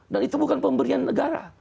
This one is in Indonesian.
itu bukan pemberian negara